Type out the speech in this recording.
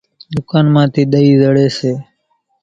ۮُڪانَ مان ٿِي ۮئِي زڙيَ سي۔